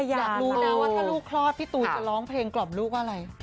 อยากรู้นะว่าถ้าลูกคลอดพี่ตูนจะร้องเพลงกล่อมลูกว่าอะไร